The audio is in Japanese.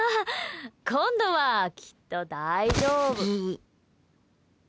今度はきっと、大丈夫。